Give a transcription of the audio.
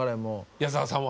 矢沢さんは。